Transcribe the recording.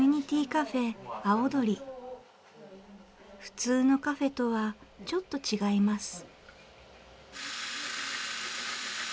普通のカフェとはちょっと違います。